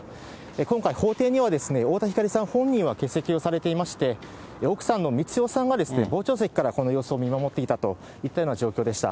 今回、法廷には太田光さん本人は欠席をされていまして、奥さんの光代さんが傍聴席からこの様子を見守っていたといった様子でした。